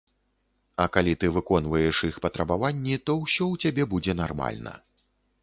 А калі ты выконваеш іх патрабаванні, то ўсё ў цябе будзе нармальна.